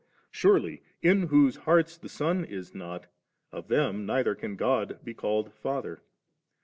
Surely in whose hearts tlie Son is not, of them neither can God be called Father.